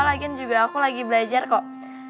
lagian juga aku lagi belajar kok